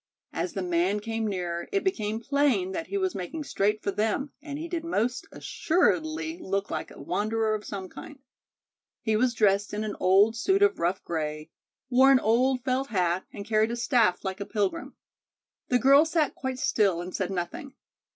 As the man came nearer, it became plain that he was making straight for them, and he did most assuredly look like a wanderer of some kind. He was dressed in an old suit of rough gray, wore an old felt hat and carried a staff like a pilgrim. The girls sat quite still and said nothing.